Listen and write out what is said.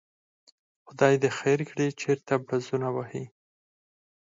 خدای دې خیر کړي، چېرته بړز ونه وهي.